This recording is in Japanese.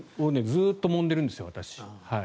ずっともんでるんです。